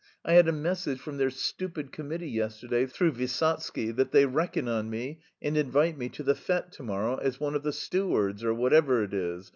"I had a message from their stupid committee yesterday through Vysotsky that they reckon on me and invite me to the fête to morrow as one of the stewards or whatever it is...